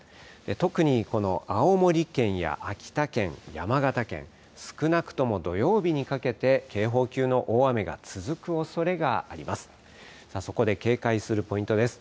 特にこの青森県や秋田県、山形県、少なくとも土曜日にかけて警報級の大雨が続くおそれがあります。